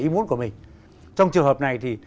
ý muốn của mình trong trường hợp này thì